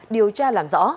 điều tra làm rõ